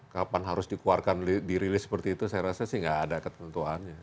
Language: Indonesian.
kapan harus dikeluarkan dirilis seperti itu saya rasa sih nggak ada ketentuannya